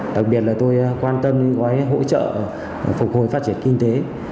đặc biệt là tôi quan tâm những cái hỗ trợ phục hồi phát triển kinh tế